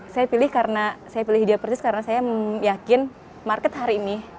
saya pilih karena saya pilih hija persis karena saya yakin market hari ini